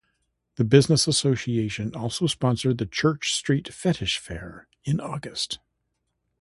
The business association also sponsored the Church Street Fetish Fair in August.